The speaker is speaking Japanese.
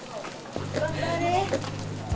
頑張れ。